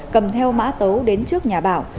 cầm theo mã tấu đến trước nhà bảo